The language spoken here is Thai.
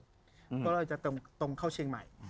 ก็จะตรงเข้าเชียงใหม่